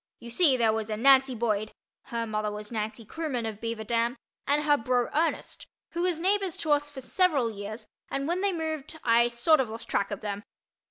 You see there was a Nancy Boyd (her mother was Nancy Kroomen of Beaver Dam) and her bro. Ernest, who was neighbors to us for several years, and when they moved I sort of lost track of them.